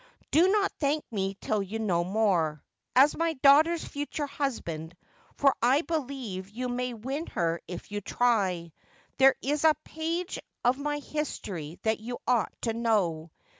'Do not thank me till you know more. As my daughter's future husband — for I believe you may win her if you try — there is a page of my history tha.t you ought to know.